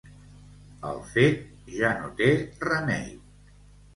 El fet ja no té remei.